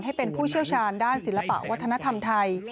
ให้เป็นผู้เชี่ยวชาญด้านศิลปะวัฒนธรรมไทย